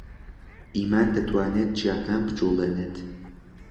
ئیمان دەتوانێت چیاکان بجوڵێنێت.